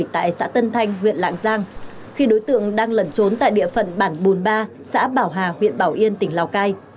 tại xã tân thanh huyện lạng giang khi đối tượng đang lẩn trốn tại địa phận bản bùn ba xã bảo hà huyện bảo yên tỉnh lào cai